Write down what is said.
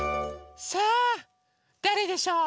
さあだれでしょう？